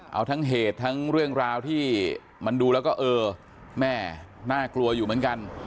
เอาทั้งเหตุทั้งเรื่องราวที่มันดูแล้วก็เออแม่น่ากลัวอยู่เหมือนกัน